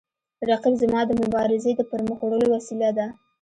رقیب زما د مبارزې د پرمخ وړلو وسیله ده